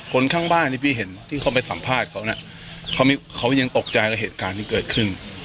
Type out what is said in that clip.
คนข้างบ้านที่พี่เห็นที่เขาไปสัมภาษณ์เขาเนี่ยเขายังตกใจกับเหตุการณ์ที่เกิดขึ้น